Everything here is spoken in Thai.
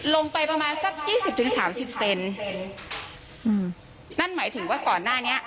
ลงไปประมาณสักยี่สิบถึงสามสิบเซนอืมนั่นหมายถึงว่าก่อนหน้านี้